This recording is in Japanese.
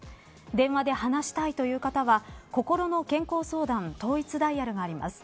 電話で話したいという方はこころの健康相談統一ダイヤルがあります。